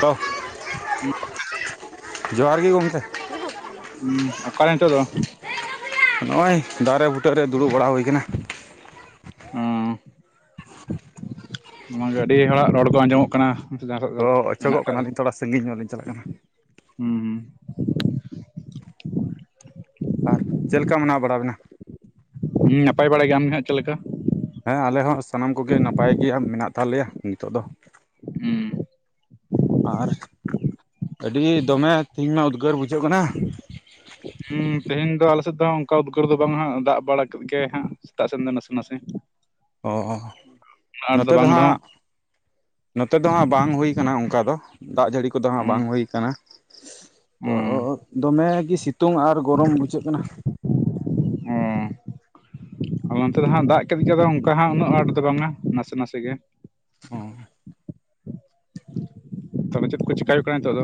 ᱛᱚ ᱡᱚᱦᱟᱨ ᱜᱤ ᱜᱚᱢᱠᱮ ᱦᱩᱸ ᱚᱠᱟ ᱨᱮ ᱱᱤᱛᱚᱜ ᱫᱚᱼᱼ ᱱᱚᱜᱼᱚᱭ ᱫᱟᱨᱮ ᱵᱩᱴᱟᱹ ᱨᱮ ᱫᱩᱲᱩᱵ ᱵᱟᱲᱟ ᱦᱩᱭ ᱠᱟᱱᱟ ᱚᱸ ᱚᱱᱟ ᱜᱮ ᱟᱹᱰᱤ ᱦᱚᱲᱟᱜ ᱨᱚᱲ ᱠᱚ ᱟᱸᱡᱚᱢᱚᱜ ᱠᱟᱱᱟ ᱛᱚ ᱚᱪᱚᱜᱚᱜ ᱠᱟᱱᱟᱞᱤᱧ ᱛᱷᱚᱲᱟ ᱥᱟᱺᱜᱤᱧ ᱧᱚᱜ ᱞᱤᱧ ᱪᱟᱞᱟᱜ ᱠᱟᱱᱟ [unintelligible] ᱟᱨ ᱪᱮᱜ ᱞᱮᱠᱟ ᱢᱮᱱᱟᱜ ᱵᱟᱲᱟ ᱵᱮᱱᱟ ᱦᱩᱸ ᱱᱟᱯᱟᱭ ᱵᱟᱲᱟ ᱜᱤ ᱟᱢ ᱜᱮᱦᱟᱸᱜ ᱪᱮᱫ ᱞᱮᱠᱟ ᱦᱮᱸ ᱟᱞᱮ ᱦᱚᱸ ᱥᱟᱱᱟᱢ ᱠᱚ ᱜᱮ ᱱᱟᱯᱟᱭ ᱜᱮ ᱢᱮᱱᱟᱜ ᱛᱟᱞᱮᱭᱟ ᱱᱤᱛᱚᱜ ᱫᱚ ᱦᱩᱸ ᱟᱨ ᱟᱹᱰᱤ ᱫᱚᱢᱮ ᱛᱤᱦᱤᱧ ᱢᱟ ᱩᱫᱽᱜᱟᱹᱨ ᱵᱩᱡᱷᱟᱹᱜ ᱠᱟᱱᱟ ᱦᱩᱸ ᱛᱮᱦᱮᱧ ᱫᱚ ᱟᱞᱮ ᱥᱮᱫ ᱫᱚ ᱚᱱᱠᱟ ᱩᱫᱽᱜᱟᱹᱨ ᱫᱚ ᱵᱟᱝ ᱦᱟᱸᱜ ᱫᱟᱜ ᱵᱟᱲᱟ ᱠᱮᱫ ᱜᱮᱭᱟᱭ ᱦᱟᱸᱜ ᱥᱮᱛᱟᱜ ᱥᱮᱱ ᱫᱚ ᱱᱟᱥᱮ ᱱᱟᱥᱮ ᱚ ᱚ ᱩᱱᱟᱹᱜ ᱟᱸᱴ ᱱᱚᱛᱮ ᱫᱚ ᱵᱟᱝ ᱦᱟᱸᱜ ᱨᱮᱦᱚᱸ ᱱᱚᱛᱮ ᱫᱚ ᱦᱟᱸᱜ ᱵᱟᱝ ᱦᱩᱭ ᱠᱟᱱᱟ ᱚᱝᱠᱟ ᱫᱚ ᱫᱟᱜ ᱡᱟᱹᱲᱤ ᱠᱚᱫᱚ ᱦᱟᱸᱜ ᱦᱩᱸ ᱵᱟᱝ ᱦᱩᱭ ᱠᱟᱱᱟ ᱛᱚ ᱦᱩᱸ ᱫᱚᱢᱮ ᱜᱤ ᱥᱤᱛᱩᱝ ᱟᱨ ᱜᱚᱨᱚᱢ ᱵᱩᱡᱷᱟᱹᱜ ᱠᱟᱱᱟ ᱦᱮᱸ ᱟᱫᱚ ᱱᱚᱱᱛᱮ ᱫᱚ ᱦᱟᱸᱜ ᱫᱟᱜ ᱠᱮᱫ ᱜᱮᱫᱚᱭ ᱚᱱᱠᱟ ᱦᱟᱸᱜ ᱩᱱᱟᱹᱜ ᱟᱸᱴ ᱫᱚ ᱵᱟᱝᱟ ᱱᱟᱥᱮ ᱱᱟᱥᱮ ᱜᱮ [unintelligible] ᱛᱚᱵᱮ ᱪᱮᱫ ᱠᱩ ᱪᱤᱠᱟᱭ ᱦᱩᱭᱩᱜ ᱠᱟᱱᱟ ᱱᱤᱛᱚᱜ ᱫᱚ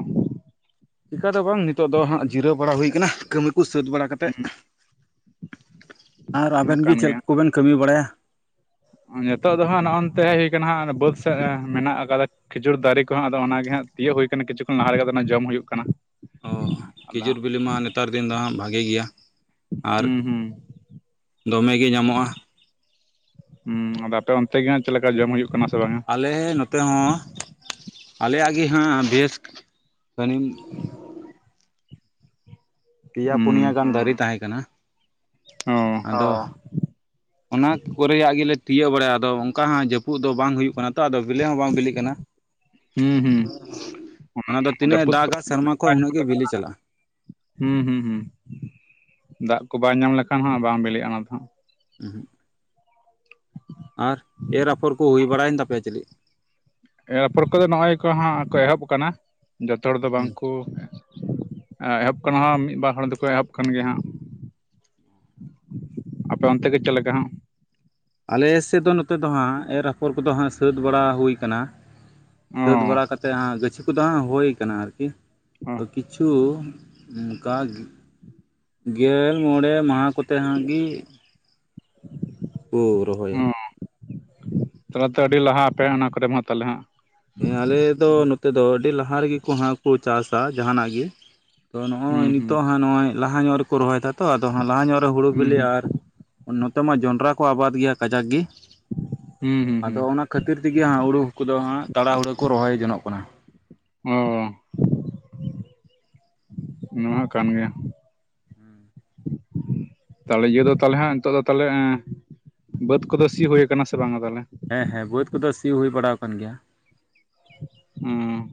ᱪᱤᱠᱟᱹ ᱫᱚ ᱵᱟᱝ ᱱᱤᱛᱚᱜ ᱫᱚ ᱦᱟᱸᱜ ᱡᱤᱨᱟᱹᱣ ᱵᱟᱲᱟ ᱦᱩᱭ ᱠᱟᱱᱟ ᱠᱟᱹᱢᱤ ᱠᱩ ᱥᱟᱹᱛ ᱵᱟᱲᱟ ᱠᱟᱛᱮᱫ ᱦᱩᱸ ᱟᱨ ᱚᱱᱟ ᱢᱟ ᱟᱵᱮᱱ ᱜᱤ ᱠᱟᱱ ᱪᱮᱫ ᱜᱮ ᱠᱚᱵᱮᱱ ᱠᱟᱹᱢᱤ ᱵᱟᱲᱟᱭᱟ ᱱᱤᱛᱚᱜ ᱫᱚ ᱦᱟᱸᱜ ᱱᱚᱜᱼᱚᱱᱛᱮ ᱦᱮᱡ ᱦᱩᱭ ᱠᱟᱱᱟ ᱦᱟᱸᱜ ᱵᱟᱹᱫ ᱥᱮᱜ ᱢᱮᱱᱟᱜ ᱟᱠᱟᱫᱟ ᱠᱷᱤᱡᱩᱨ ᱫᱟᱨᱤ ᱠᱚᱦᱚᱸ ᱟᱫᱚ ᱚᱱᱟ ᱜᱮ ᱦᱟᱸᱜ ᱛᱤᱭᱳᱜ ᱦᱩᱭ ᱠᱟᱱᱟ ᱠᱤᱪᱷᱩ ᱠᱷᱚᱱ ᱞᱟᱦᱟ ᱨᱮᱜᱮ ᱟᱫᱚ ᱚᱱᱟ ᱡᱚᱢ ᱦᱩᱭᱩᱜ ᱠᱟᱱᱟ ᱚ ᱟᱫᱚ ᱠᱷᱤᱡᱩᱨ ᱦᱟᱸᱜ ᱵᱤᱞᱤ ᱢᱟ ᱱᱮᱛᱟᱨ ᱫᱤᱱ ᱫᱚ ᱦᱟᱸᱜ ᱵᱷᱟᱜᱮ ᱜᱮᱭᱟ ᱟᱨ ᱦᱩᱸ ᱦᱩᱸ ᱫᱚᱢᱮ ᱜᱮ ᱧᱟᱢᱚᱜᱼᱟ ᱦᱩᱸ ᱟᱫᱚ ᱟᱯᱮ ᱚᱱᱛᱮ ᱜᱮ ᱦᱟᱸᱜ ᱪᱮᱫ ᱞᱮᱠᱟ ᱡᱚᱢ ᱦᱩᱭᱩᱜ ᱠᱟᱱᱟ ᱥᱮ ᱵᱟᱝᱟ ᱟᱞᱮ ᱱᱚᱛᱮ ᱦᱚᱸ ᱟᱞᱮᱭᱟᱜ ᱜᱤ ᱦᱟᱸᱜ ᱵᱮᱹᱥ [unintelligible] ᱯᱮᱭᱟ ᱯᱩᱱᱭᱟ ᱦᱩᱸ ᱜᱟᱱ ᱫᱟᱨᱤ ᱛᱟᱦᱮᱸ ᱠᱟᱱᱟ ᱚ ᱟᱫᱚ ᱚᱱᱟ ᱠᱚᱨᱮᱭᱟᱜ ᱜᱮᱞᱮ ᱛᱤᱭᱟᱹᱜ ᱵᱟᱲᱟᱭᱟ ᱟᱫᱚ ᱚᱱᱠᱟ ᱦᱟᱸᱜ ᱡᱟᱹᱯᱩᱫ ᱫᱚ ᱵᱟᱝ ᱦᱩᱭᱩᱜ ᱠᱟᱱᱟ ᱛᱚ ᱟᱫᱚ ᱵᱤᱞᱮ ᱦᱚᱸ ᱵᱟᱝ ᱵᱤᱞᱤᱜ ᱠᱟᱱᱟ ᱦᱩᱸ ᱦᱩᱸ ᱚᱱᱟ ᱫᱚ ᱛᱤᱱᱟᱹᱜᱼ ᱮ ᱡᱟᱹᱯᱩᱫ ᱠᱚ ᱫᱟᱜᱟ ᱥᱮᱨᱢᱟ ᱠᱷᱚ ᱵᱟᱭ ᱩᱱᱟᱹᱜ ᱧᱟᱢ ᱜᱤ ᱵᱤᱞᱤ ᱞᱮᱠᱷᱟᱱ ᱪᱟᱞᱟᱜᱼᱟ ᱦᱩᱸ ᱦᱩᱸ ᱦᱩᱸ ᱫᱟᱜ ᱠᱚ ᱵᱟᱭ ᱧᱟᱢ ᱞᱮᱠᱷᱟᱱ ᱦᱟᱸᱜ ᱵᱟᱝ ᱵᱤᱞᱤᱜᱼᱟ ᱚᱱᱟ ᱫᱚᱦᱟᱜ ᱟᱨ ᱮᱨ ᱟᱯᱷᱚᱨ ᱠᱚ ᱦᱩᱭ ᱵᱟᱲᱟᱭᱮᱱ ᱛᱟᱯᱮᱭᱟ ᱪᱤᱞᱤᱜ ᱮᱨ ᱟᱯᱷᱚᱨ ᱠᱚᱫᱚ ᱱᱚᱜᱼᱚᱭ ᱠᱚ ᱦᱟᱸᱜ ᱠᱚ ᱮᱦᱚᱵ ᱠᱟᱱᱟ, ᱡᱚᱛᱚ ᱦᱚᱲ ᱫᱚ ᱵᱟᱝ ᱠᱩ ᱮᱦᱚᱵ ᱠᱟᱱᱟ ᱦᱟᱸᱜ ᱢᱤᱫ ᱵᱟᱨ ᱦᱚᱲ ᱫᱚᱠᱚ ᱮᱦᱚᱵ ᱠᱟᱱ ᱜᱮᱭᱟ ᱦᱟᱸᱜ ᱾ ᱟᱯᱮ ᱚᱱᱛᱮ ᱜᱮ ᱪᱮᱫ ᱞᱮᱠᱟ ᱦᱟᱸᱜ? ᱟᱞᱮ ᱥᱮᱫ ᱫᱚ ᱱᱚᱛᱮ ᱫᱚ ᱦᱟᱸᱜ ᱮᱨ ᱟᱯᱷᱚᱨ ᱠᱚᱫᱚ ᱦᱟᱸᱜ ᱥᱟᱹᱛ ᱵᱟᱲᱟ ᱦᱩᱭ ᱠᱟᱱᱟ ᱾ ᱚ ᱥᱟᱹᱛ ᱵᱟᱲᱟ ᱠᱟᱛᱮᱫ ᱦᱟᱸᱜ ᱜᱟᱹᱪᱷᱤ ᱠᱚᱫᱚ ᱦᱟᱸᱜ ᱦᱩᱭ ᱠᱟᱱᱟ ᱟᱨᱠᱤ ᱾ [inaudible] ᱚ [unintelligible] ᱜᱮᱞ ᱢᱚᱬᱮ ᱢᱟᱸᱦᱟ ᱠᱚᱛᱮ ᱦᱟᱸᱜ ᱜᱤ ᱠᱚᱻ ᱨᱚᱦᱚᱭ ᱛᱟᱦᱞᱮ ᱛᱚ ᱟᱹᱰᱤ ᱞᱟᱦᱟ ᱟᱯᱮ ᱚᱱᱟ ᱠᱚᱨᱮ ᱢᱟ ᱦᱟᱸᱜ ᱛᱟᱞᱦᱮ ᱦᱟᱸᱜ ᱾ ᱦᱮᱸ ᱟᱞᱮ ᱫᱚ ᱱᱚᱛᱮ ᱫᱚ ᱟᱹᱰᱤ ᱞᱟᱦᱟ ᱨᱤᱜᱤ ᱠᱩ ᱦᱟᱸᱜ ᱠᱩ ᱪᱟᱥᱟ ᱡᱟᱸᱦᱟ ᱱᱟᱜ ᱜᱤ᱾ ᱟᱫᱚ ᱱᱚᱜᱼᱚᱭ ᱦᱩᱸ ᱱᱤᱛᱚᱜ ᱦᱟᱸᱜ ᱱᱚᱜᱼᱚᱭ ᱞᱟᱦᱟ ᱧᱚᱜ ᱨᱮᱠᱚ ᱨᱚᱦᱚᱭ ᱫᱟ ᱛᱚ ᱟᱫᱚ ᱦᱟᱸᱜ ᱞᱟᱦᱟ ᱧᱚᱜ ᱨᱮ ᱦᱩᱲᱩ ᱦᱩᱸ ᱵᱤᱞᱤ ᱦᱩᱸ ᱟ ᱟᱨ ᱱᱚᱛᱮ ᱢᱟ ᱡᱚᱸᱰᱨᱟ ᱠᱚ ᱟᱵᱟᱫ ᱜᱮᱭᱟ ᱠᱟᱡᱟᱠ ᱜᱮ ᱦᱩᱸ ᱦᱩᱸ ᱟᱫᱚ ᱦᱩᱸ ᱚᱱᱟ ᱠᱷᱟᱹᱛᱤᱨ ᱛᱮᱜᱮ ᱦᱟᱸᱜ ᱦᱩᱲᱩ ᱠᱚᱫᱚ ᱦᱟᱸᱜ ᱛᱟᱲᱟ ᱦᱩᱲᱟᱹ ᱠᱚ ᱨᱚᱦᱚᱭ ᱡᱚᱱᱚᱜ ᱠᱟᱱᱟ ᱾ [unintelligible] ᱱᱚᱣᱟ ᱦᱚ ᱠᱟᱱ ᱜᱮᱭᱟ ᱾ ᱛᱟᱦᱚᱞᱮ ᱤᱭᱟᱹ ᱫᱚ ᱛᱟᱦᱚᱞᱮ ᱱᱤᱛᱚᱜ ᱫᱚ ᱛᱟᱦᱚᱞᱮ ᱵᱟᱹᱫᱽ ᱠᱚᱫᱚ ᱥᱤ ᱦᱩᱭ ᱠᱟᱱᱟ ᱥᱮ ᱵᱟᱝᱼᱟ ᱛᱟᱦᱚᱞᱮ? ᱦᱮᱸ ᱦᱮᱸ ᱵᱟᱹᱫᱽ ᱠᱚᱫᱚ ᱥᱤ ᱦᱩᱭ ᱵᱟᱲᱟ ᱟᱠᱟᱱ ᱜᱮᱭᱟ ᱾ ᱦᱩᱸ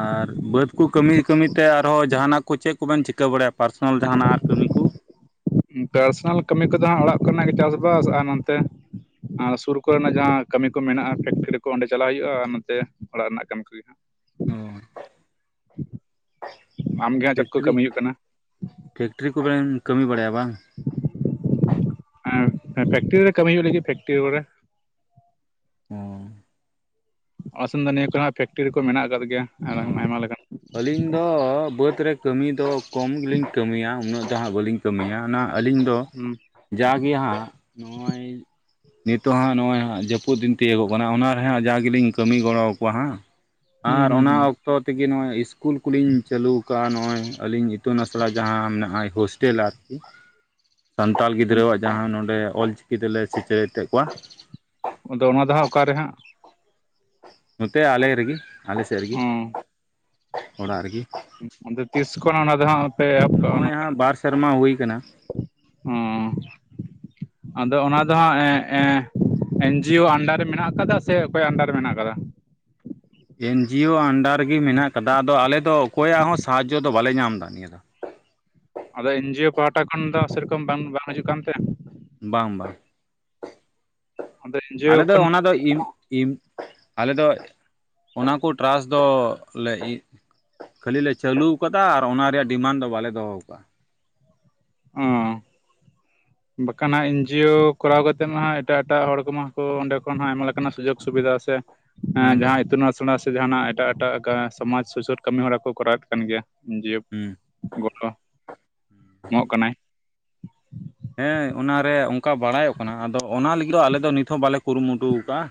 ᱟᱨ ᱵᱟᱹᱫᱽ ᱠᱚ ᱠᱟᱹᱢᱤ ᱠᱟᱹᱢᱤᱛᱮ ᱟᱨᱚᱸ ᱡᱟᱦᱟ ᱱᱟᱜ ᱠᱚ ᱪᱮᱫ ᱠᱚᱵᱮᱱ ᱪᱤᱠᱟᱹ ᱵᱟᱲᱟᱭᱟ ᱯᱟᱨᱥᱚᱱᱟᱞ ᱡᱟᱦᱟ ᱱᱟᱜ ᱟᱨ ᱠᱟᱹᱢᱤ ᱠᱚ? ᱯᱟᱨᱥᱚᱱᱟᱞ ᱠᱟᱹᱢᱤ ᱠᱚᱫᱚ ᱦᱟᱸᱜ ᱚᱲᱟᱜ ᱠᱚᱨᱮᱱᱟᱜ ᱜᱮ ᱪᱟᱥᱵᱟᱥ ᱟᱨ ᱱᱚᱱᱛᱮ ᱟᱨ ᱥᱩᱨ ᱠᱚᱨᱮᱱᱟᱜ ᱡᱟᱦᱟᱸ ᱠᱟᱹᱢᱤ ᱠᱚ ᱢᱮᱱᱟᱜᱼᱟ ᱯᱷᱮᱠᱴᱨᱤ ᱠᱚ ᱚᱸᱰᱮ ᱪᱟᱞᱟᱜ ᱦᱩᱭᱩᱜᱼᱟ ᱟᱨ ᱱᱚᱛᱮ ᱚᱲᱟᱜ ᱨᱮᱱᱟᱜ ᱠᱟᱹᱢᱤ ᱠᱚᱜᱮ ᱦᱟᱸᱜ, ᱚ ᱟᱢᱜᱮ ᱦᱟᱸᱜ ᱪᱮᱫ ᱠᱚ ᱯᱷᱮᱠᱴᱨᱤ ᱠᱟᱹᱢᱤ ᱦᱩᱭᱩᱜ ᱠᱟᱱᱟ ᱯᱷᱮᱠᱴᱨᱤ ᱠᱚᱵᱮᱱ ᱠᱟᱹᱢᱤ ᱵᱟᱲᱟᱭᱟ ᱵᱟᱝ? ᱯᱷᱮᱠᱴᱨᱤ ᱨᱮ ᱠᱟᱹᱢᱤ ᱦᱩᱭᱩᱜ ᱞᱟᱹᱜᱤᱫ ᱯᱷᱮᱠᱴᱨᱤ ᱠᱚᱨᱮ, ᱚ ᱾ ᱟᱞᱮ ᱥᱮᱫ ᱫᱚ ᱱᱤᱭᱟᱹ ᱠᱚᱨᱮᱱᱟᱜ ᱯᱷᱮᱠᱴᱨᱤ ᱠᱚ ᱢᱮᱱᱟᱜ ᱟᱠᱟᱫ ᱜᱮᱭᱟ ᱾ ᱚ ᱾ ᱟᱹᱞᱤᱧ ᱫᱚ ᱵᱟᱹᱫᱽ ᱨᱮ ᱠᱟᱹᱢᱤ ᱫᱚ ᱠᱚᱢ ᱜᱮᱞᱤᱧ ᱠᱟᱹᱢᱤᱭᱟ ᱩᱱᱟᱹᱜ ᱫᱚ ᱵᱟᱹᱞᱤᱧ ᱠᱟᱹᱢᱤᱭᱟ, ᱚᱱᱟ ᱟᱹᱞᱤᱧ ᱫᱚ ᱦᱩᱸ ᱡᱟ ᱜᱮ ᱦᱟᱸᱜ ᱱᱚᱜᱚᱭ ᱱᱤᱛᱚᱜ ᱦᱟᱸᱜ ᱱᱚᱜᱼᱚᱭ ᱦᱟᱜ ᱡᱟᱹᱯᱩᱫ ᱫᱤᱱ ᱛᱤᱭᱳᱜᱚᱜ ᱠᱟᱱᱟ ᱚᱱᱟᱨᱮ ᱦᱟᱸᱜ ᱡᱟᱜᱮᱞᱤᱧ ᱠᱟᱹᱢᱤ ᱜᱚᱲᱚᱣᱟᱠᱚᱣᱟ ᱦᱟᱸᱜ ᱾ ᱦᱩᱸ ᱚᱱᱟ ᱦᱩᱸ ᱚᱠᱛᱚ ᱛᱮᱜᱮ ᱱᱚᱜᱚᱭ ᱤᱥᱠᱩᱞ ᱠᱚᱞᱤᱧ ᱪᱟᱹᱞᱩ ᱱᱚᱠᱟ ᱱᱚᱜᱼᱚᱭ ᱟᱹᱞᱤᱧ ᱤᱛᱩᱱ ᱟᱥᱲᱟ ᱡᱟᱦᱟᱸ ᱢᱮᱱᱟᱜᱼᱟ ᱦᱳᱥᱴᱮᱞ ᱟᱨᱠᱤ, ᱥᱟᱱᱛᱟᱲ ᱦᱩᱸ ᱜᱤᱫᱽᱨᱟᱹᱣᱟᱜ ᱡᱟᱦᱟᱸ ᱱᱚᱰᱮ ᱚᱞᱪᱤᱠᱤ ᱛᱮᱞᱮ ᱥᱮᱪᱮᱫ ᱮᱫ ᱠᱚᱣᱟ ᱟᱫᱚ ᱚᱱᱟ ᱫᱚ ᱦᱟᱸᱜ ᱚᱠᱟᱨᱮ ᱦᱟᱸᱜ? ᱱᱚᱛᱮ ᱟᱞᱮ ᱨᱮᱜᱮ ᱟᱞᱮ ᱥᱮᱫ ᱨᱮᱜᱮ ᱚ ᱚᱲᱟᱜ ᱨᱮᱜᱮ ᱾ ᱟᱫᱚ ᱛᱤᱥ ᱠᱷᱚᱱ ᱚᱱᱟ ᱫᱚ ᱦᱟᱸᱜ ᱯᱮ ᱱᱚᱜᱚᱭ ᱦᱟᱸᱜ ᱵᱟᱨ ᱥᱮᱨᱢᱟ ᱦᱩᱭ ᱠᱟᱱᱟ ᱾ ᱚ ᱟᱫᱚ ᱚᱱᱟ ᱫᱚ ᱦᱟᱸᱜ [inaudible] ᱮᱱᱡᱤᱭᱳ ᱟᱱᱰᱟᱨ ᱨᱮ ᱢᱮᱱᱟᱜ ᱟᱠᱟᱫᱟ ᱥᱮ ᱚᱠᱚᱭᱟᱜ ᱟᱱᱰᱟᱨ ᱨᱮ ᱢᱮᱱᱟᱜ ᱟᱠᱟᱫᱟ? ᱮᱱᱡᱤᱭᱳ ᱟᱱᱰᱟᱨ ᱨᱮᱜᱮ ᱢᱮᱱᱟᱜ ᱠᱟᱫᱟ ᱟᱫᱚ ᱟᱞᱮ ᱫᱚ ᱚᱠᱚᱭᱟᱜ ᱦᱚᱸ ᱥᱟᱦᱟᱡᱽᱡᱚ ᱫᱚ ᱵᱟᱞᱮ ᱧᱟᱢ ᱫᱟ ᱱᱤᱭᱟᱹ ᱫᱚ ᱾ ᱟᱫᱚ ᱮᱱᱡᱤᱭᱳ ᱯᱟᱦᱟᱴᱟ ᱠᱷᱚᱱ ᱫᱚ ᱥᱮᱨᱚᱠᱚᱢ ᱵᱟᱝ ᱵᱟᱝ ᱦᱤᱡᱩᱜ ᱠᱟᱱ ᱛᱮ? ᱵᱟᱝ ᱵᱟᱝᱹ ᱟᱫᱚ ᱟᱞᱮ ᱮᱱᱡᱤᱭᱳ ᱫᱚ ᱠᱷᱚᱱ ᱚᱱᱟ ᱫᱚ ᱤᱼᱼ ᱤᱢ, ᱟᱞᱮ ᱫᱚ ᱚᱱᱟ ᱠᱚ ᱴᱮᱨᱟᱥ ᱫᱚ ᱞᱮ [inaudible] ᱼᱼ ᱠᱷᱟᱹᱞᱤ ᱞᱮ ᱪᱟᱹᱞᱩ ᱠᱟᱫᱟ ᱟᱨ ᱚᱱᱟ ᱨᱮᱭᱟᱜ ᱰᱤᱢᱟᱱᱰ ᱫᱚ ᱵᱟᱞᱮ ᱫᱚᱦᱚ ᱠᱟᱜᱻᱟ ᱾ ᱚᱸ ᱾ ᱵᱟᱠᱷᱟᱱ ᱦᱟᱝ ᱮᱱᱡᱤᱭᱳ ᱠᱚᱨᱟᱣ ᱠᱟᱛᱮ ᱢᱟ ᱮᱴᱟᱜ ᱮᱴᱟᱜ ᱦᱚᱲ ᱠᱚᱢᱟ ᱠᱚ ᱚᱸᱰᱮ ᱠᱷᱚᱱ ᱦᱚᱸ ᱟᱭᱢᱟ ᱞᱮᱠᱟᱱᱟᱜ ᱥᱩᱡᱳᱜᱽ ᱥᱩᱵᱤᱫᱷᱟ ᱥᱮᱼᱼ ᱦᱮᱸ ᱦᱩᱸ ᱡᱟᱦᱟᱸ ᱤᱛᱩᱱ ᱟᱥᱲᱟᱼᱼ ᱡᱟᱸᱦᱟᱱᱟᱜ ᱮᱴᱟᱜ ᱮᱴᱟᱜ ᱥᱚᱢᱟᱡᱽ ᱥᱩᱥᱟᱹᱨ ᱠᱟᱹᱢᱤ ᱦᱚᱨᱟ ᱠᱚ ᱠᱚᱨᱟᱣᱮᱫ ᱠᱟᱱ ᱜᱮᱭᱟ ᱮᱱᱡᱤᱭᱳ ᱾ ᱦᱩᱸ ᱾ ᱜᱚᱲᱚ, ᱮᱢᱚᱜ ᱠᱟᱱᱟᱭ ᱾ ᱦᱮᱸ ᱚᱱᱟᱨᱮ ᱚᱱᱠᱟ ᱵᱟᱲᱟᱭᱚᱜ ᱠᱟᱱᱟ ᱟᱫᱚ ᱚᱱᱟ ᱞᱟᱹᱜᱤᱫ ᱫᱚ ᱟᱞᱮ ᱫᱚ ᱱᱤᱛ ᱦᱚᱸ ᱵᱟᱞᱮ ᱠᱩᱨᱩᱢᱩᱴᱩ ᱠᱟᱜᱼᱟ ᱾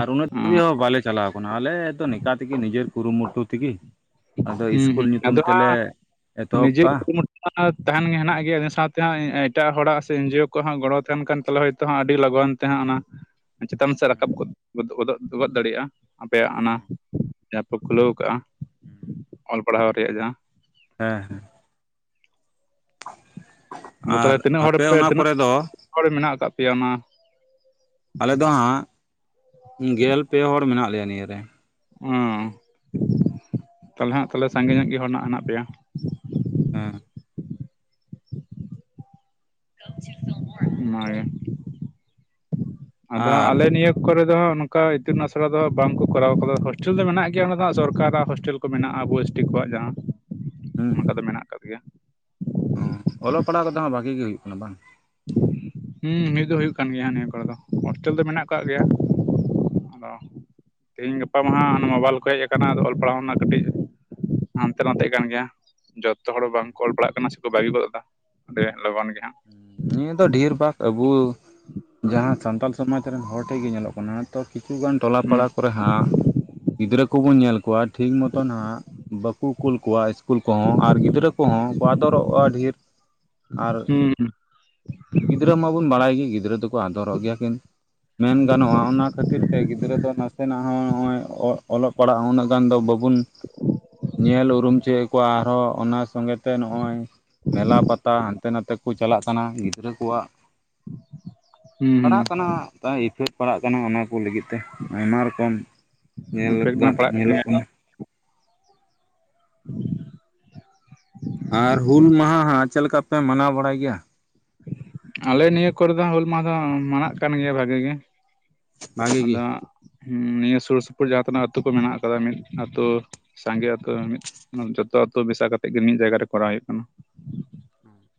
ᱟᱨ ᱩᱱᱟᱹᱜ ᱚ [inaudible] ᱵᱟᱞᱮ ᱪᱟᱞᱟᱣ ᱠᱟᱱᱟ ᱟᱞᱮ ᱫᱚ ᱱᱚᱝᱠᱟ ᱛᱮᱜᱮ ᱱᱤᱡᱮᱨ ᱠᱩᱨᱩᱢᱩᱴᱩ ᱛᱮᱜᱮᱼᱼ ᱟᱫᱚ ᱦᱩᱸ ᱤᱥᱠᱩᱞ ᱦᱩᱸ ᱧᱩᱛᱩᱢ ᱟᱫᱚ ᱛᱮᱞᱮ ᱮᱛᱚᱦᱚᱵ ᱠᱟᱜᱼᱟ ᱾ [inaudible] ᱛᱟᱸᱦᱮᱱ ᱜᱮ ᱦᱮᱱᱟᱜ ᱜᱮᱭᱟ ᱤᱱᱟᱹ ᱥᱟᱶᱛᱮ ᱦᱚᱸ ᱮᱴᱟᱜ ᱦᱚᱲᱟᱜ ᱥᱮ ᱮᱱᱡᱤᱭᱳ ᱠᱚᱣᱟᱜ ᱦᱚᱸ ᱜᱚᱲᱚ ᱛᱟᱸᱦᱮᱱ ᱠᱷᱟᱱ ᱛᱟᱞᱮ ᱦᱳᱭ ᱛᱚᱼᱼ ᱛᱮᱦᱚᱸ ᱟᱹᱰᱤ ᱞᱚᱜᱚᱱ ᱛᱮᱦᱟᱸᱜ ᱚᱱᱟᱼᱼ ᱪᱮᱛᱟᱱ ᱥᱮᱫ ᱨᱟᱠᱟᱵ ᱜᱚᱫ ᱜᱚᱫᱚᱜ ᱜᱚᱫ ᱫᱟᱲᱮᱭᱟᱜᱼᱟ ᱟᱯᱮᱭᱟᱜ ᱚᱱᱟ ᱡᱟᱦᱟᱸ ᱯᱮ ᱠᱷᱩᱞᱟᱹᱣ ᱠᱟᱜᱼᱟ ᱾ [inaudible] ᱚᱞ ᱯᱟᱲᱦᱟᱣ ᱨᱮᱭᱟᱜ ᱡᱟᱦᱟᱸᱼᱼ ᱦᱮᱸ ᱦᱮᱸ ᱾ ᱟᱫᱚ ᱟᱨ ᱛᱟᱦᱚᱞᱮ ᱛᱤᱱᱟᱹᱜ ᱦᱚᱲ ᱟᱯᱮ ᱯᱮ ᱚᱱᱟ ᱛᱤᱱᱟᱹᱜ ᱠᱚᱨᱮ ᱫᱚᱼᱼ ᱦᱚᱲ ᱢᱮᱱᱟᱜ ᱟᱠᱟᱫ ᱯᱮᱭᱟ ᱚᱱᱟᱼᱼ ᱟᱞᱮ ᱫᱚ ᱦᱟᱸᱜ, ᱜᱮᱞ ᱯᱮ ᱦᱚᱲ ᱢᱮᱱᱟᱜ ᱞᱮᱭᱟ ᱱᱤᱭᱟᱹᱨᱮ ᱾ ᱚᱸ, ᱛᱟᱦᱚᱞᱮ ᱦᱟᱸᱜ ᱛᱟᱦᱚᱞᱮ ᱥᱟᱸᱜᱮ ᱧᱚᱜ ᱜᱮ ᱦᱚᱲ ᱦᱮᱱᱟᱜ ᱯᱮᱭᱟ ᱾ ᱦᱮᱸ ᱾ [unintelligible] ᱚᱱᱟᱜᱮ ᱾ ᱟᱫᱚ ᱦᱟᱸᱜ ᱟᱨ ᱟᱞᱮ ᱱᱤᱭᱟᱹᱼᱼ ᱠᱚᱨᱮ ᱫᱚ ᱦᱟᱸᱜ ᱚᱱᱠᱟ ᱤᱛᱩᱱ ᱟᱥᱲᱟ ᱫᱚ ᱵᱟᱝ ᱠᱚ ᱠᱚᱨᱟᱣ ᱠᱟᱫᱟ, ᱦᱳᱥᱴᱮᱞ ᱫᱚ ᱢᱮᱱᱟᱜ ᱜᱮᱭᱟ ᱚᱸᱰᱮ ᱫᱚ ᱦᱟᱸᱜ ᱥᱚᱨᱠᱟᱨᱟᱜ ᱦᱳᱥᱴᱮᱞ ᱾ ᱠᱚ ᱢᱮᱱᱟᱜᱼᱟ ᱟᱵᱚ ᱮᱥᱴᱤ ᱠᱚᱣᱟᱜ ᱡᱟᱦᱟᱸ, ᱦᱩᱸ ᱚᱱᱟᱠᱚ ᱫᱚ ᱢᱮᱱᱟᱜ ᱟᱠᱟᱫ ᱜᱮᱭᱟ ᱾ ᱚᱞᱚᱜ ᱯᱟᱲᱦᱟᱣ ᱠᱚᱫᱚ ᱦᱟᱸᱜ ᱵᱷᱟᱜᱤ ᱜᱮ ᱦᱩᱭᱩᱜ ᱠᱟᱱᱟ ᱵᱟᱝ ᱾ ᱦᱩᱸ ᱦᱩᱭ ᱫᱚ ᱦᱩᱭᱩᱜ ᱠᱟᱱ ᱜᱮᱭᱟ ᱦᱟᱸᱜ ᱱᱤᱭᱟᱹ ᱠᱚᱨᱮ ᱫᱚ, ᱦᱳᱥᱴᱮᱞ ᱫᱚ ᱢᱮᱱᱟᱜ ᱠᱟᱜ ᱜᱮᱭᱟ ᱾ ᱟᱫᱚ ᱛᱮᱦᱮᱧ ᱜᱟᱯᱟ ᱢᱟ ᱦᱟᱸᱜ ᱚᱱᱟ ᱢᱳᱵᱟᱭᱤᱞ ᱠᱚ ᱦᱮᱡ ᱠᱟᱱᱟ ᱟᱫᱚ ᱚᱞ ᱯᱟᱲᱦᱟᱣ ᱨᱮᱱᱟᱜ ᱠᱟᱹᱴᱤᱡᱼᱼ ᱦᱟᱱᱛᱮ ᱱᱟᱛᱮᱜ ᱠᱟᱱ ᱜᱮᱭᱟ ᱾ ᱡᱚᱛᱚ ᱦᱚᱲ ᱵᱟᱝ ᱠᱚ ᱚᱞ ᱯᱟᱲᱟᱜ ᱠᱟᱱᱟ, ᱥᱮᱠᱚ ᱵᱟᱹᱜᱤ ᱜᱚᱫ ᱮᱫᱟ ᱟᱹᱰᱤ ᱞᱚᱜᱚᱱ ᱜᱮ ᱦᱟᱸᱜ ᱾ ᱱᱤᱭᱟᱹ ᱫᱚ ᱰᱷᱮᱨ ᱵᱷᱟᱜᱽ ᱟᱵᱩ, ᱡᱟᱦᱟᱸ ᱥᱟᱱᱛᱟᱞ ᱥᱚᱢᱟᱡᱽ ᱨᱮᱱ ᱦᱚᱲ ᱴᱷᱮᱡ ᱜᱮ ᱧᱮᱞᱚᱜ ᱠᱟᱱᱟ ᱾ ᱛᱚ ᱠᱤᱪᱷᱩ ᱜᱟᱱ ᱴᱚᱞᱟ ᱦᱩᱸ ᱯᱟᱲᱟ ᱠᱚᱨᱮ ᱦᱟᱸᱜ, ᱜᱤᱫᱽᱨᱟᱹ ᱠᱚᱵᱚᱱ ᱧᱮᱞ ᱠᱚᱣᱟ ᱾ ᱴᱷᱤᱠ ᱢᱚᱛᱚ ᱱᱟᱦᱟᱸᱜ, ᱵᱟᱠᱩ ᱠᱩᱞ ᱠᱚᱣᱟ ᱤᱥ ᱠᱩᱞ ᱠᱚᱦᱚᱸ ᱟᱨ ᱜᱤᱫᱽᱨᱟᱹ ᱠᱚᱦᱚᱸ ᱠᱚ ᱟᱫᱚᱨᱚᱜᱼᱟ ᱰᱷᱮᱨ, ᱟᱨᱼᱼ ᱦᱩᱸ ᱜᱤᱫᱽᱨᱟᱹ ᱢᱟᱵᱚᱱ ᱵᱟᱲᱟᱭ ᱜᱮ, ᱜᱤᱫᱽᱨᱟᱹ ᱫᱚ ᱠᱚ ᱟᱫᱚᱨᱚᱜ ᱜᱮᱭᱟ ᱠᱤᱱ, ᱢᱮᱱ ᱜᱟᱱᱚᱜᱼᱟ ᱚᱱᱟ ᱠᱷᱟᱹᱛᱤᱨ ᱛᱮ ᱜᱤᱫᱽᱨᱟᱹ ᱫᱚ ᱱᱟᱥᱮᱱᱟᱜ ᱦᱚᱸ ᱱᱚᱜᱼᱚᱭᱼᱼ ᱚ ᱚᱞᱚᱜ ᱯᱟᱲᱦᱟᱜ ᱦᱚᱸ ᱩᱱᱟᱹᱜ ᱜᱟᱱ ᱫᱚ ᱵᱟᱵᱚᱱᱼᱼ ᱧᱮᱞ ᱩᱨᱩᱢ ᱦᱚᱪᱚᱭᱮᱫ ᱠᱚᱣᱟ ᱟᱨᱦᱚᱸ ᱚᱱᱟ ᱥᱚᱸᱜᱮᱼᱼ ᱛᱮ ᱱᱚᱜᱼᱚᱭ ᱢᱮᱞᱟ ᱯᱟᱛᱟ ᱦᱟᱱᱛᱮ ᱱᱟᱛᱮ ᱠᱚ ᱪᱟᱞᱟᱜ ᱠᱟᱱᱟ, ᱜᱤᱫᱽᱨᱟᱹ ᱠᱚᱣᱟᱜᱼᱼ ᱦᱩᱸ ᱯᱟᱲᱟᱜ ᱦᱩᱸ ᱠᱟᱱᱟ, ᱛᱟᱭ ᱤᱯᱷᱮᱠᱴ ᱯᱟᱲᱟᱜ ᱠᱟᱱᱟ ᱚᱱᱟ ᱠᱚ ᱞᱟᱹᱜᱤᱫᱼᱼ ᱛᱮ, ᱟᱭᱢᱟ ᱨᱚᱠᱚᱢ ᱧᱮᱞ ᱤᱯᱷᱮᱠᱴ ᱢᱟ ᱜᱟᱫ ᱯᱟᱲᱟᱜ ᱠᱟᱱ ᱧᱮᱞᱚᱜ ᱜᱮᱭᱟ ᱠᱟᱱᱟ ᱾ [unintelligible] ᱟᱨ ᱦᱩᱞ ᱢᱟᱦᱟ ᱦᱟᱸᱜ ᱪᱮᱫ ᱞᱮᱠᱟ ᱯᱮ ᱢᱟᱱᱟᱣ ᱵᱟᱲᱟᱭ ᱜᱮᱭᱟ ᱟᱞᱮ ᱱᱤᱭᱟᱹ ᱠᱚᱨᱮ ᱫᱚ ᱦᱟᱸᱜ ᱦᱩᱞ ᱢᱟᱦᱟ ᱫᱚ ᱢᱟᱱᱟᱜ ᱠᱟᱱ ᱜᱮᱭᱟ ᱵᱷᱟᱜᱮ ᱜᱮ ᱵᱷᱟᱜᱤ ᱜᱮ ᱟᱫᱚ ᱱᱤᱭᱟᱹ ᱥᱩᱨ ᱥᱩᱯᱩᱨ ᱡᱟᱦᱟᱸ ᱛᱤᱱᱟᱹᱜ ᱟᱹᱛᱩ ᱠᱚ ᱢᱮᱱᱟᱜ ᱟᱠᱟᱫᱟ ᱢᱤᱫ ᱟᱹᱛᱩ ᱥᱟᱸᱜᱮ ᱟᱹᱛᱩ ᱢᱤᱫ ᱡᱚᱛᱚ ᱟᱹᱛᱩ ᱢᱮᱥᱟ ᱠᱟᱛᱮᱜ ᱜᱮ ᱢᱤᱫ ᱡᱟᱭᱜᱟ ᱨᱮ ᱠᱚᱨᱟᱣ ᱦᱩᱭᱩᱜ ᱠᱟᱱᱟ [inaudible]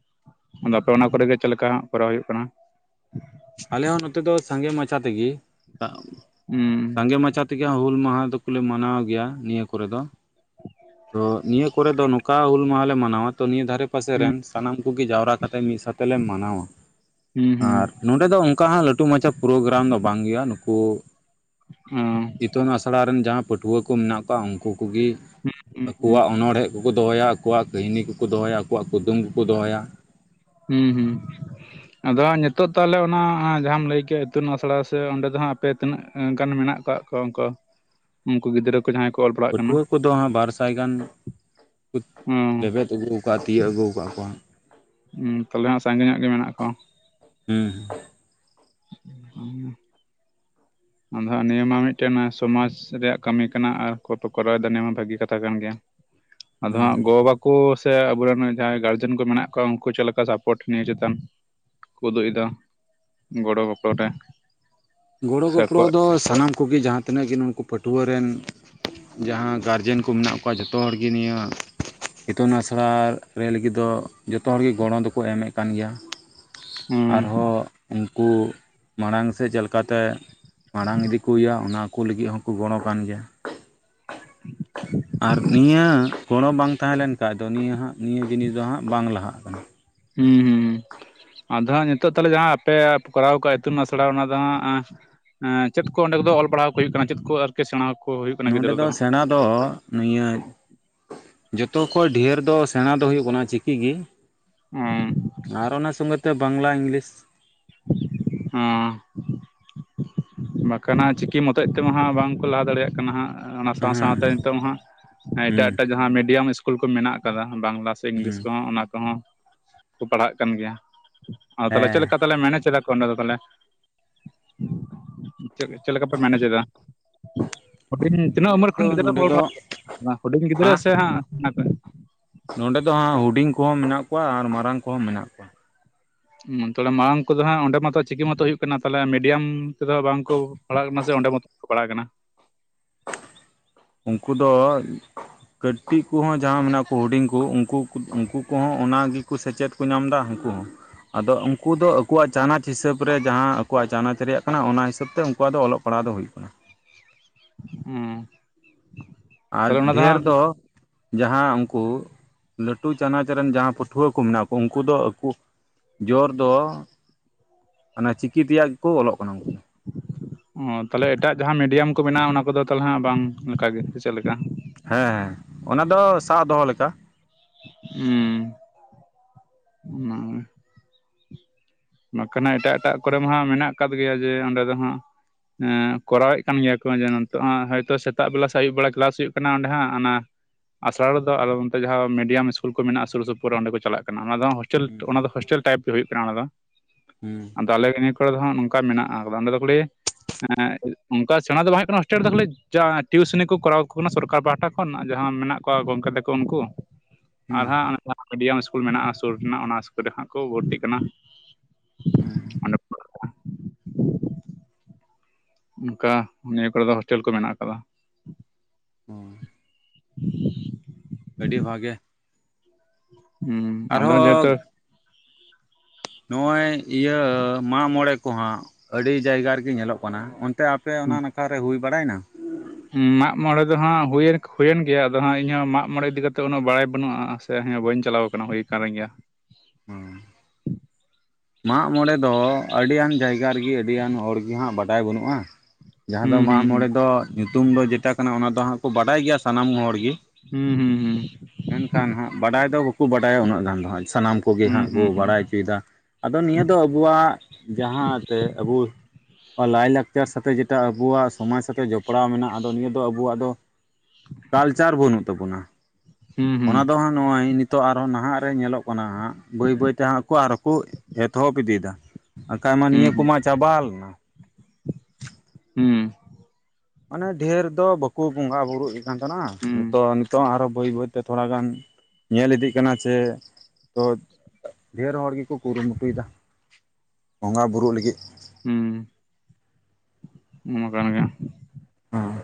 ᱟᱫᱚ ᱟᱯᱮ ᱚᱱᱟ ᱠᱚᱨᱮ ᱜᱮ ᱪᱮᱫ ᱞᱮᱠᱟ ᱠᱚᱨᱟᱣ ᱦᱩᱭᱩᱜ ᱠᱟᱱᱟ ᱟᱞᱮ ᱦᱚᱸ ᱱᱚᱛᱮ ᱫᱚ ᱥᱟᱸᱜᱮ ᱢᱟᱪᱷᱟ ᱛᱮ ᱜᱮ ᱦᱩᱸ ᱥᱟᱸᱜᱮ ᱢᱟᱪᱷᱟ ᱛᱮ ᱜᱮ ᱦᱩᱞ ᱢᱟᱦᱟ ᱫᱚ ᱠᱚ ᱞᱮ ᱢᱟᱱᱟᱣ ᱜᱮᱭᱟ ᱱᱤᱭᱟᱹ ᱠᱚᱨᱮ ᱫᱚ ᱛᱚ ᱱᱤᱭᱟᱹ ᱠᱚᱨᱮ ᱫᱚ ᱱᱚᱝᱠᱟ ᱦᱩᱞ ᱢᱟᱦᱟᱞᱮ ᱢᱟᱱᱟᱣᱟ ᱛᱚ ᱱᱤᱭᱟᱹ ᱫᱷᱟᱨᱮ ᱯᱟᱥᱮ ᱦᱩᱸ ᱨᱮᱱ ᱥᱟᱱᱟᱢ ᱠᱚᱜᱮ ᱡᱟᱣᱨᱟ ᱠᱟᱛᱮ ᱢᱤᱫ ᱥᱟᱛᱮ ᱞᱮ ᱢᱟᱱᱟᱣᱟ ᱦᱩᱸ ᱦᱩᱸ ᱟᱨᱼᱼ ᱱᱚᱸᱰᱮ ᱫᱚ ᱚᱱᱠᱟ ᱦᱟᱸᱜ ᱞᱟᱹᱴᱩ ᱢᱟᱪᱷᱟ ᱯᱨᱳᱜᱨᱟᱢ ᱫᱚ ᱵᱟᱝ ᱜᱮᱭᱟ ᱱᱩᱠᱩ ᱦᱩᱸᱻ ᱤᱛᱩᱱ ᱟᱥᱲᱟ ᱨᱮᱱ ᱡᱟᱦᱟᱸ ᱯᱟᱹᱴᱷᱩᱣᱟᱹ ᱠᱚ ᱢᱮᱱᱟᱜ ᱠᱚᱣᱟ ᱩᱱᱠᱩ ᱠᱚ ᱜᱮ ᱦᱩᱸ ᱦᱩᱸ ᱦᱩᱸ ᱟᱠᱚᱣᱟᱜ ᱚᱱᱚᱬᱦᱮᱸᱼᱼ ᱠᱚᱠᱚ ᱫᱚᱦᱚᱭᱟ ᱟᱠᱚᱣᱟᱜ ᱠᱟᱹᱦᱱᱤ ᱠᱚᱠᱚ ᱫᱚᱦᱚᱭᱟ ᱟᱠᱚᱣᱟᱜ ᱠᱩᱫᱩᱢ ᱠᱚᱠᱚ ᱫᱚᱦᱚᱭᱟ ᱦᱩᱸ ᱦᱩᱸ ᱟᱫᱚ ᱦᱟᱸᱜ ᱱᱤᱛᱳᱜ ᱛᱟᱦᱚᱞᱮ ᱚᱱᱟ ᱡᱟᱦᱟᱢ ᱞᱟᱹᱭ ᱠᱮᱫ ᱤᱛᱩᱱ ᱟᱥᱲᱟ ᱥᱮ ᱚᱸᱰᱮ ᱫᱚ ᱦᱟᱸᱜ ᱟᱯᱮ ᱛᱤᱱᱟᱹᱜ ᱜᱟᱱ ᱢᱮᱱᱟᱜ ᱟᱠᱟᱜ ᱠᱚ ᱚᱱᱠᱟ ᱩᱱᱠᱩ ᱜᱤᱫᱽᱨᱟᱹ ᱡᱟᱦᱟᱸᱭ ᱠᱚ ᱚᱞ [unintelligible] ᱯᱟᱹᱴᱷᱣᱟᱹ ᱠᱚᱫᱚ ᱦᱟᱸᱜ ᱵᱟᱨ ᱥᱟᱭ ᱜᱟᱱ ᱠᱚ ᱦᱩᱸ ᱞᱮᱵᱮᱫᱼᱼ ᱟᱹᱜᱩ ᱠᱟᱜ-ᱟ ᱛᱤᱭᱟᱹᱜ ᱟᱹᱜᱩ ᱠᱟᱜ-ᱟ ᱠᱚ ᱦᱟᱸᱜ ᱦᱩᱸ ᱛᱟᱦᱚᱞᱮ ᱦᱟᱸᱜ ᱥᱟᱸᱜᱮ ᱧᱚᱜ ᱜᱮ ᱢᱮᱱᱟᱜ ᱠᱚᱣᱟ ᱦᱩᱸ ᱦᱩᱸ [unintelligible] ᱟᱫᱚ [unintelligible] ᱱᱤᱭᱟᱹ ᱢᱟ ᱢᱤᱫᱴᱮᱱ [unintelligible] ᱨᱮᱭᱟᱜ ᱠᱟᱹᱢᱤ ᱠᱟᱱᱟ ᱟᱨ [unintelligible] ᱠᱚᱨᱟᱣ ᱮᱫᱟ ᱱᱤᱭᱟᱹ ᱢᱟ ᱵᱷᱟᱹᱜᱤ ᱠᱟᱛᱷᱟ ᱠᱟᱱ ᱜᱮᱭᱟ ᱟᱫᱚ ᱦᱩᱸ ᱦᱟᱸᱜ ᱜᱚ ᱵᱟᱵᱟ ᱠᱩ ᱥᱮ ᱟᱵᱚ ᱨᱮᱱ ᱡᱟᱦᱟᱸᱭ ᱜᱟᱨᱡᱮᱱ ᱠᱚ ᱢᱮᱱᱟᱜ ᱠᱚᱣᱟ ᱩᱱᱠᱩ ᱪᱮᱫ ᱞᱮᱠᱟ ᱥᱟᱯᱳᱨᱴ ᱱᱤᱭᱟᱹ ᱪᱮᱛᱟᱱ ᱩᱫᱩᱜ ᱮᱫᱟ ᱜᱚᱲᱚ ᱜᱚᱯᱚᱲᱚ ᱨᱮ ᱜᱚᱲᱚ ᱥᱮ ᱜᱚᱯᱚᱲᱚ ᱟᱠᱚᱣᱟᱜ ᱫᱚ ᱥᱟᱱᱟᱢ ᱠᱩᱜᱮ ᱡᱟᱦᱟᱸ ᱛᱤᱱᱟᱹᱜ ᱜᱮ ᱱᱩᱝᱠᱩ ᱯᱟᱹᱴᱷᱣᱟᱹᱨ ᱨᱮᱱ ᱡᱟᱦᱟᱸ ᱜᱟᱨᱡᱮᱱ ᱠᱚ ᱢᱮᱱᱟᱜ ᱠᱚᱣᱟ ᱡᱚᱛᱚ ᱦᱚᱲ ᱜᱤ ᱱᱤᱭᱟᱹ ᱤᱛᱩᱱ ᱟᱥᱲᱟ ᱨᱮ ᱞᱟᱹᱜᱤᱫ ᱫᱚ ᱡᱚᱛᱚ ᱦᱚᱲᱜᱤ ᱜᱚᱲᱚ ᱫᱚᱠᱚ ᱮᱢᱮᱫ ᱠᱟᱱ ᱜᱮᱭᱟ᱾ ᱦᱩᱸ ᱟᱨᱦᱚᱸ ᱩᱱᱠᱩ ᱢᱟᱲᱟᱝ ᱥᱮᱫ ᱪᱮᱫ ᱞᱮᱠᱟ ᱛᱮ ᱢᱟᱲᱟᱝ ᱤᱫᱤ ᱠᱩ ᱦᱩᱭᱩᱜᱭᱟ ᱚᱱᱟ ᱠᱩ ᱞᱟᱹᱜᱤᱫ ᱦᱚᱸᱠᱩ ᱜᱚᱲᱚ ᱠᱟᱱ ᱜᱮᱭᱟ᱾ [unintelligible] ᱟᱨ ᱱᱤᱭᱟᱹ ᱜᱚᱲᱚ ᱵᱟᱝ ᱛᱟᱦᱮᱸ ᱞᱮᱱ ᱠᱷᱟᱡ ᱫᱚ ᱱᱤᱭᱟᱹ ᱦᱟᱸᱜ ᱱᱤᱭᱟᱹ ᱡᱤᱱᱤᱥ ᱫᱚ ᱦᱟᱸᱜ ᱵᱟᱝ ᱞᱟᱦᱟᱜ ᱠᱟᱱᱟ᱾ ᱦᱩᱸ ᱦᱩᱸ ᱦᱩᱸ ᱟᱫᱚ ᱦᱟᱸᱜ ᱱᱤᱛᱚᱜ ᱛᱟᱦᱞᱮ ᱡᱟᱦᱟᱸ ᱟᱯᱮ ᱠᱚᱨᱟᱣ ᱠᱟᱜᱼᱟ ᱤᱛᱩᱱ ᱟᱥᱲᱟ ᱚᱱᱟ ᱫᱚ ᱦᱟᱸᱜ ᱮᱸ ᱮᱸ ᱪᱮᱫ ᱠᱚ ᱚᱸᱰᱮ ᱠᱚᱫᱚ ᱚᱞ ᱯᱟᱲᱦᱟᱣ ᱠᱩ ᱦᱩᱭᱩᱜ ᱠᱟᱱᱟ ᱪᱮᱫ ᱠᱩ ᱟᱨ ᱥᱮᱬᱟᱣ ᱟᱠᱚ ᱦᱩᱭᱩᱜ ᱠᱟᱱᱟ ᱱᱚᱰᱮ ᱜᱤᱫᱽᱨᱟᱹ ᱫᱚ ᱦᱚᱸ ᱥᱮᱬᱟ ᱫᱚ ᱱᱤᱭᱟᱹ ᱡᱷᱚᱛᱚ ᱠᱷᱚᱡ ᱰᱷᱮᱨ ᱫᱚ ᱥᱮᱬᱟ ᱫᱚ ᱦᱳᱭᱳᱜ ᱠᱟᱱᱟ ᱪᱤᱠᱤ ᱜᱮ [unintelligible] ᱟᱨᱚ ᱚᱱᱟ ᱥᱚᱝᱜᱮ ᱛᱮ ᱵᱟᱝᱞᱟ ᱤᱝᱞᱤᱥ [unintelligible] ᱵᱟᱠᱷᱟᱱ ᱦᱟᱸᱜ ᱪᱤᱠᱤ ᱢᱚᱛᱮᱡ ᱛᱮᱢᱟ ᱦᱟᱸᱜ ᱵᱟᱝ ᱠᱚ ᱞᱟᱦᱟ ᱫᱟᱲᱮᱭᱟᱜ ᱠᱟᱱᱟ ᱦᱟᱸᱜ ᱚᱱᱟ ᱥᱟᱶ ᱥᱟᱶᱛᱮ ᱦᱮᱸ ᱱᱤᱛᱚᱝ ᱦᱟᱸᱜ᱾ ᱮᱴᱟᱜ, ᱦᱮᱸ ᱮᱴᱟᱜ ᱡᱟᱦᱟᱸ ᱢᱤᱰᱤᱭᱟᱢ ᱤᱥᱠᱩᱞ ᱠᱚ ᱢᱮᱱᱟ-ᱜ ᱟᱠᱟᱫᱟ᱾ ᱵᱟᱝᱞᱟ ᱤᱝᱞᱤᱥ ᱦᱮᱸ ᱠᱚᱼᱦᱚᱸ ᱚᱱᱟ ᱠᱚᱼᱦᱚᱸ ᱠᱚ ᱯᱟᱲᱦᱟ-ᱜ ᱠᱟᱱ ᱜᱮᱭᱟ᱾ ᱟᱫᱚ ᱛᱟᱦᱞᱮ ᱦᱮᱸ ᱪᱮᱫ ᱞᱮᱠᱟ, ᱛᱟᱦᱞᱮ ᱢᱮᱱᱮᱪ ᱮᱫᱟᱜ ᱠᱚ ᱛᱟᱦᱞᱮ? ᱪᱮᱫ ᱪᱮᱫ ᱞᱮᱠᱟ ᱯᱮ ᱢᱮᱱᱮᱡᱽ ᱮᱫᱟ? ᱦᱩᱰᱤᱧ ᱛᱤᱱᱟᱹᱜ ᱢᱮᱱᱮᱡ ᱩᱢᱮᱨ ᱫᱚ ᱠᱷᱚᱱ ᱜᱤᱫᱽᱨᱟᱹ ᱱᱚᱰᱮ ᱫᱚ [unintelligible] ᱦᱩᱰᱤᱧ ᱜᱤᱫᱽᱨᱟᱹ ᱦᱟᱸ ᱥᱮ ᱦᱟᱸᱜ ᱱᱚᱸᱰᱮ ᱫᱚ ᱦᱟᱸᱜ ᱦᱩᱰᱤᱧ ᱠᱚᱦᱚᱸ ᱢᱮᱱᱟᱜ ᱠᱚᱣᱟ᱾ ᱟᱨ ᱢᱟᱨᱟᱝ ᱠᱚᱼᱦᱚᱸ ᱢᱮᱱᱟ-ᱜ ᱠᱚᱣᱟ᱾ ᱦᱩᱸ ᱛᱟᱦᱞᱮ ᱢᱟᱲᱟᱝ ᱠᱚᱼᱫᱚ ᱦᱟᱸᱜ ᱚᱸᱰᱮ ᱢᱟᱛᱚ ᱪᱤᱠᱤ ᱢᱚᱛᱚ ᱦᱩᱭᱩᱜ ᱠᱟᱱᱟ᱾ ᱛᱟᱦᱞᱮ ᱢᱤᱰᱤᱭᱟᱢ ᱛᱮᱫᱚ ᱵᱟᱝᱠᱚ ᱯᱟᱲᱦᱟ-ᱜ ᱠᱟᱱᱟ᱾ ᱥᱮ ᱚᱸᱰᱮ ᱢᱚᱛᱚ [unintelligible] ᱠᱟᱱᱟ ᱩᱱᱠᱩ ᱫᱚ ᱠᱟᱹᱴᱤᱡ ᱠᱩ-ᱦᱚᱸ ᱡᱟᱦᱟᱸ ᱢᱮᱱᱟ-ᱜ ᱠᱩ, ᱦᱩᱰᱤᱧ ᱠᱩ ᱩᱱᱠᱩ ᱩᱱᱠᱩ ᱠᱚᱼᱦᱚᱸ ᱚᱱᱟ᱾ ᱜᱮᱠᱩ ᱥᱮᱪᱮᱫ ᱠᱩ ᱧᱟᱢ ᱮᱫᱟ ᱩᱱᱠᱩ ᱦᱚᱸ ᱟᱫᱚ ᱩᱱᱠᱩ ᱫᱚ ᱟᱠᱩᱣᱟ-ᱜ ᱪᱟᱱᱟᱪ ᱦᱤᱥᱟᱹᱵᱽ ᱨᱮ ᱾ ᱡᱟᱦᱟᱸ ᱟᱠᱩᱣᱟ-ᱜ ᱪᱟᱱᱟᱪ ᱨᱮᱭᱟᱜ ᱠᱟᱱᱟ᱾ ᱚᱱᱟ ᱦᱤᱥᱟᱹᱵᱽ ᱛᱮ ᱩᱱᱠᱩᱣᱟ-ᱜ ᱫᱚ ᱚᱞᱚᱜ ᱯᱟᱨᱦᱟᱣ ᱫᱚ ᱦᱩᱭᱩᱜ ᱠᱟᱱᱟ᱾ ᱦᱩᱸ ᱟᱨ ᱛᱟᱦᱚᱞᱮ ᱚᱱᱟ ᱰᱷᱮᱨ ᱦᱟᱸᱜ ᱫᱚ ᱡᱟᱦᱟᱸ ᱩᱱᱠᱩ ᱞᱟᱹᱴᱩ ᱪᱟᱱᱟᱪ ᱨᱮᱱ᱾ ᱡᱟᱦᱟᱸ ᱯᱟᱹᱴᱷᱩᱣᱟᱹ ᱠᱚ ᱢᱮᱱᱟᱜ ᱠᱚ᱾ ᱩᱱᱠᱩ ᱫᱚ ᱟᱠᱩ ᱡᱚᱨ ᱫᱚ ᱚᱱᱟ ᱪᱤᱠᱤ ᱛᱤᱭᱟ-ᱜ ᱜᱮᱠᱚ ᱚᱞᱚᱜ ᱠᱟᱱᱟ ᱢᱟ ᱛᱟᱦᱞᱮ ᱮᱴᱟᱜ ᱡᱟᱦᱟᱸ ᱢᱤᱰᱤᱭᱟᱢ ᱠᱚ ᱢᱮᱱᱟᱜᱼᱟ᱾ ᱚᱱᱟ ᱠᱚᱼᱫᱚ ᱛᱟᱦᱞᱮ ᱦᱟᱸᱜ ᱵᱟᱝ ᱚᱱᱠᱟ ᱜᱮ ᱪᱮᱫ ᱞᱮᱠᱟ? ᱦᱮᱸ, ᱦᱮᱸ ᱚᱱᱟ ᱫᱚ ᱥᱟᱵ ᱫᱚᱦᱚᱸ ᱞᱮᱠᱟ ᱦᱩᱸ [unintelligible] ᱵᱟᱝᱠᱷᱟᱱ ᱮᱴᱟᱜ, ᱮᱴᱟᱜ ᱠᱚᱨᱮ ᱢᱟ ᱦᱟᱸᱜ ᱢᱮᱱᱟᱜ ᱟᱠᱟᱫ ᱜᱮᱭᱟ᱾ ᱡᱮ ᱚᱸᱰᱮ ᱫᱚ ᱦᱟᱸᱜ [unintelligible] ᱠᱚᱨᱟᱣᱮᱫ ᱠᱟᱱ ᱜᱮᱭᱟ ᱠᱚ [unintelligible] ᱦᱳᱭᱛᱳ ᱥᱮᱛᱟᱜ ᱵᱮᱞᱟ᱾ ᱥᱮ ᱟᱹᱭᱩᱵ ᱵᱮᱲᱟ ᱠᱮᱞᱟᱥ ᱦᱩᱭᱩᱜ ᱠᱟᱱᱟ ᱾ ᱚᱸᱰᱮ ᱦᱟᱸᱜ ᱚᱱᱟ ᱟᱥᱟᱲᱟ ᱨᱮᱫᱚ ᱟᱨᱚ ᱚᱱᱛᱮ ᱡᱟᱦᱟᱸ ᱢᱤᱰᱤᱭᱟᱢ ᱤᱥᱠᱩᱞ ᱠᱚ ᱢᱮᱱᱟᱜᱼᱟ᱾ ᱥᱩᱨ ᱥᱩᱯᱩᱨ ᱨᱮ ᱚᱸᱰᱮ ᱠᱚ ᱪᱟᱞᱟ-ᱜ ᱠᱟᱱᱟ᱾ ᱚᱱᱟ ᱫᱚ ᱦᱳᱥᱴᱮᱸᱞ ᱦᱩᱸ ᱚᱱᱟ ᱫᱚ ᱦᱳᱥᱴᱮᱸᱞ ᱴᱟᱭᱤᱯ ᱜᱮ ᱦᱳᱭᱳᱜ ᱠᱟᱱᱟ ᱾ᱚᱱᱟ ᱫᱚ [unintelligible] [unintelligible] ᱱᱤᱭᱟᱹ ᱠᱚᱨᱮ ᱫᱚ ᱦᱟᱸᱜ ᱱᱚᱝᱠᱟ ᱢᱮᱱᱟᱜᱼᱟ, [unintelligible] ᱦᱮᱸ ᱚᱱᱠᱟ ᱥᱮᱬᱟᱸ ᱫᱚ ᱵᱟᱝ ᱦᱳᱭᱳᱜ ᱠᱟᱱᱟ᱾ ᱦᱳᱥᱴᱮᱞ ᱨᱮ ᱫᱚ ᱠᱷᱟᱹᱞᱤ ᱡᱟ ᱴᱤᱭᱩᱥᱚᱱᱤ ᱠᱚ ᱠᱚᱨᱟᱣ ᱠᱩ ᱠᱟᱱᱟ᱾ ᱥᱚᱨᱠᱟᱨ ᱯᱟᱦᱟᱴᱟ ᱠᱷᱟᱱ ᱡᱟᱸᱦᱟ ᱢᱮᱱᱟᱜ ᱠᱚᱣᱟ ᱾ ᱜᱚᱝᱠᱮ ᱛᱟᱠᱚ ᱩᱱᱠᱩ ᱦᱩᱸ ᱟᱨ ᱦᱩᱸ ᱦᱟᱸᱜ [unintelligible] ᱢᱤᱰᱤᱭᱟᱢ ᱤᱥᱠᱩᱞ ᱢᱮᱱᱟᱜᱼᱟ᱾ ᱥᱳᱨ ᱨᱮᱱᱟᱜ ᱚᱱᱟ ᱤᱥᱠᱩᱞ ᱨᱮ ᱦᱟᱸᱜ ᱠᱚ ᱵᱷᱚᱨᱛᱤ-ᱜ ᱠᱟᱱᱟ᱾ ᱦᱩᱸ [unintelligible] ᱚᱱᱠᱟ ᱱᱤᱭᱟ ᱠᱳᱨᱮ ᱫᱚ ᱦᱳᱥᱴᱮᱞ ᱠᱚ ᱢᱮᱱᱟᱜ ᱟᱠᱟᱫᱟ᱾ ᱦᱮᱸ [inaudible] ᱟᱹᱰᱤ ᱵᱷᱟᱜᱮ ᱦᱩᱸ ᱚᱰᱮ ᱦᱚᱸ ᱡᱮᱦᱛᱚ ᱟᱨᱦᱚᱸ ᱱᱚᱜᱼᱚᱭ ᱤᱭᱟᱹ ᱢᱟᱜ ᱢᱚᱬᱮᱸ ᱠᱚ ᱦᱟᱸᱜ ᱟᱹᱰᱤ ᱡᱟᱭ ᱜᱟ᱾ ᱨᱮ ᱜᱮ ᱧᱮᱞᱚᱜ ᱠᱟᱱᱟ᱾ ᱚᱱ ᱛᱮ ᱯᱮ ᱚᱱᱟ ᱱᱟᱠᱷᱟ ᱨᱮ ᱦᱩᱭ ᱵᱟᱲᱟᱭ ᱱᱟ᱾ ᱢᱟᱜ ᱢᱚᱲᱮᱸ ᱫᱚ ᱦᱟᱸᱜ ᱦᱩᱭ ᱮᱱ ᱜᱮᱭᱟ᱾ ᱟᱫᱚ ᱦᱟᱸᱜ ᱤᱧ ᱦᱚᱸ ᱢᱟᱜᱽ ᱢᱚᱬᱮᱸ ᱤᱫᱤ ᱠᱟᱛᱮᱜ ᱩᱱᱟᱹᱜ ᱵᱟᱲᱟᱭ ᱵᱟᱹᱱᱩᱜᱼᱟ᱾ ᱥᱮ ᱦᱮᱸ ᱵᱟᱹᱧ ᱪᱟᱞᱟ-ᱣ ᱟᱠᱟᱱᱟ ᱦᱩᱭ ᱟᱠᱟᱱ ᱜᱮᱭᱟ᱾ ᱦᱩᱸ ᱢᱟᱜ ᱢᱚᱬᱮᱸ ᱫᱚ ᱟᱹᱰᱤ ᱜᱟᱱ ᱡᱟᱭ ᱜᱟ ᱨᱮ ᱜᱮ ᱟᱹᱰᱤ ᱜᱟᱱ ᱦᱚᱲ ᱜᱮ ᱦᱟᱸᱜ ᱵᱟᱰᱟᱭ ᱵᱟᱹᱱᱩᱜᱼᱟ᱾ ᱡᱟᱦᱟᱸ ᱫᱚ ᱦᱩᱸ ᱢᱟᱜ ᱦᱩᱸ ᱢᱚᱬᱮᱸ ᱫᱚ ᱧᱩᱛᱩᱢ ᱫᱚ ᱡᱮᱴᱟ ᱠᱟᱱᱟ᱾ ᱚᱱᱟ ᱫᱚ ᱦᱟᱸᱜ ᱠᱚ ᱵᱟᱰᱟᱭ ᱜᱮᱭᱟ᱾ ᱥᱟᱱᱟᱢ ᱦᱚᱲ ᱜᱮ᱾ ᱦᱩᱸ, ᱦᱩᱸ, ᱦᱩᱸ ᱢᱮᱱ ᱠᱷᱟᱱ ᱦᱟᱸᱜ ᱵᱟᱰᱟᱭ ᱫᱚ ᱵᱟᱠᱚ ᱵᱟᱰᱟ ᱭᱟ᱾ ᱩᱱᱟᱹᱜ ᱜᱟᱱ ᱫᱚ ᱦᱟᱸᱜ᱾ ᱥᱟᱱᱟᱢ ᱠᱚ ᱜᱮ ᱦᱩᱸ ᱦᱩᱸ ᱦᱟᱸᱜ ᱠᱚ ᱦᱩᱸ ᱦᱩᱸ ᱵᱟᱰᱟᱭ ᱚᱪᱚᱭ ᱮᱫᱟ᱾ ᱟᱫᱚ ᱱᱤᱭᱟᱹ ᱫᱚ ᱟᱵᱩ ᱣᱟᱜ᱾ ᱡᱟᱦᱟᱸ ᱛᱮ ᱟᱵᱩ ᱞᱟᱭᱼᱞᱟᱠ ᱪᱟᱨ ᱥᱟᱛᱮᱜ ᱡᱮ ᱴᱟ ᱟᱵᱚᱣᱟᱼᱜ ᱥᱚᱢᱟᱡᱽ ᱥᱟᱛᱮᱜ ᱡᱚᱯ ᱲᱟᱣ ᱢᱮᱱᱟᱜ᱾ ᱟᱫᱚ ᱱᱤᱭᱟᱹ ᱫᱚ ᱟᱵᱚᱣᱟᱜ ᱫᱚ᱾ ᱠᱟᱞᱪᱟᱨ ᱵᱟᱹᱱᱩᱜ ᱛᱟᱵᱚᱱᱟ᱾ ᱚᱱᱟ ᱫᱚ ᱦᱩᱸ ᱱᱚᱜᱼᱚᱭ ᱱᱤᱛᱚᱜ ᱟᱨ ᱦᱚᱸ ᱱᱟᱦᱟᱜ ᱨᱮ ᱧᱮᱞᱚᱜ ᱠᱟᱱᱟ ᱦᱟᱸᱜ, ᱵᱟᱹᱭ ᱵᱟᱹᱭ ᱛᱮ ᱦᱟᱸᱜ ᱠᱚ ᱟᱨ ᱦᱚᱸ ᱠᱚ ᱮᱛᱚᱦᱚᱵ ᱤᱫᱤ ᱮᱫᱟ, ᱵᱟᱠᱷᱟᱡᱽ ᱢᱟ ᱱᱤᱭᱟᱹ ᱠᱚ ᱢᱟ ᱪᱟᱵᱟ ᱞᱮᱱᱟ᱾ ᱦᱮᱸ᱾ ᱢᱟᱱᱮ ᱰᱷᱮᱨ ᱫᱚ ᱵᱟᱠᱚ ᱵᱚᱸᱜᱟ ᱵᱩᱨᱩᱜ ᱠᱟᱱ ᱛᱟᱦᱮᱸᱱᱟ᱾ ᱦᱩᱸ ᱦᱩᱸ ᱱᱤᱛᱚᱜ ᱱᱤᱛᱚᱜ ᱟᱨᱚ ᱵᱟᱹᱭ ᱵᱟᱹᱭ ᱛᱮ ᱛᱷᱚᱲ ᱜᱟᱱ ᱧᱮᱞ ᱤᱫᱤᱜ ᱠᱟᱱᱟ ᱥᱮ ᱛᱚ ᱰᱷᱮᱨ ᱦᱚᱲ ᱜᱮ ᱠᱚ ᱠᱩᱨᱩ ᱢᱩᱴᱩᱭ ᱮᱫᱟ, ᱵᱚᱸᱜᱟ ᱵᱩᱨᱩᱜ ᱞᱟᱹᱜᱤᱫ ᱦᱩᱸ᱾ ᱚᱱᱟ ᱠᱟᱱ ᱜᱮᱭᱟ᱾ ᱦᱚᱸ᱾